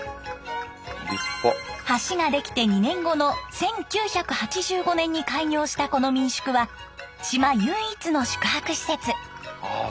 橋ができて２年後の１９８５年に開業したこの民宿は島唯一の宿泊施設。